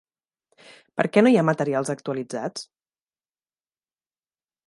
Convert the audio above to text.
Per què no hi ha materials actualitzats?